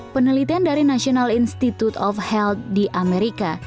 penelitian dari national institute of health di amerika